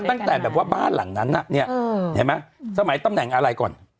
ตั้งแต่แบบว่าบ้านหลังนั้นน่ะเนี่ยเห็นไหมสมัยตำแหน่งอะไรก่อน